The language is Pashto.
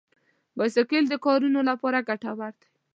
بایسکل د کارونو لپاره ګټور دی.